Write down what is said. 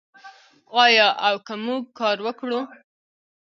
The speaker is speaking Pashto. آیا او که موږ کار وکړو؟